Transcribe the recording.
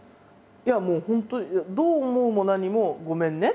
いやもう本当どう思うも何も「ごめんね」。